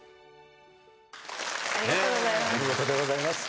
ありがとうございます。